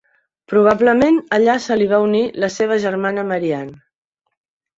Probablement allà se li va unir la seva germana Marianne.